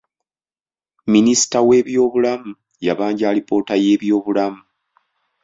Minisita w'ebyobulamu yabanja alipoota y'ebyobulamu.